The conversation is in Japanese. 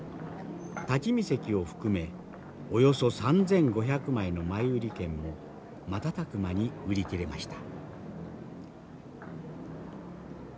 立ち見席を含めおよそ３，５００枚の前売券も瞬く間に売り切れました。